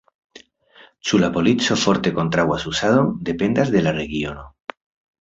Ĉu la polico forte kontraŭas uzadon, dependas de la regiono.